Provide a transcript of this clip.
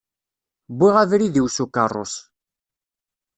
Wwiɣ abrid-iw s ukerrus.